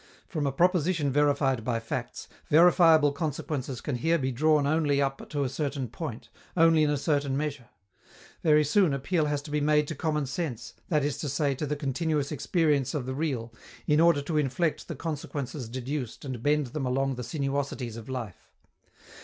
From a proposition verified by facts, verifiable consequences can here be drawn only up to a certain point, only in a certain measure. Very soon appeal has to be made to common sense, that is to say, to the continuous experience of the real, in order to inflect the consequences deduced and bend them along the sinuosities of life.